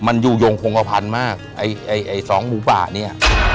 มันอยู่โยงภงภัณฑ์มากไอ้ฟ้องหมูป่านี้